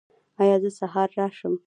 ایا زه سهار راشم؟